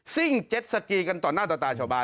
่งเจ็ดสกีกันต่อหน้าต่อตาชาวบ้าน